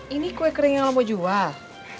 ini kue kering yang lo mau jual